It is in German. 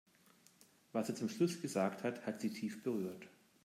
Was er zum Schluss gesagt hat, hat sie tief berührt.